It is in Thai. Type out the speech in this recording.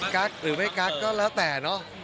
หรือไม่กั๊กก็แล้วแต่เนอะ